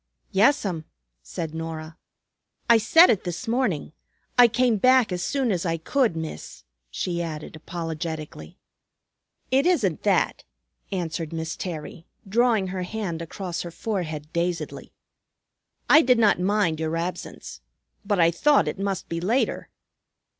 "Yes'm," said Norah. "I set it this morning. I came back as soon as I could, Miss," she added apologetically. "It isn't that," answered Miss Terry, drawing her hand across her forehead dazedly. "I did not mind your absence. But I thought it must be later."